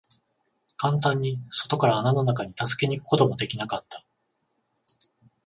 簡単に外から穴の中に助けに行くことも出来なかった。